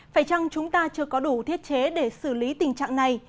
phải chăng chúng ta chưa có đủ thiết chế để xử lý tình trạng này